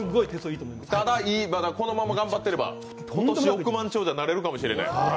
ただ、このまま頑張っていれば今年億万長者になれるかもしれない。